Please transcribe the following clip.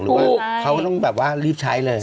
หรือว่าเขาต้องรีบใช้เลย